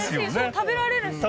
食べられるし。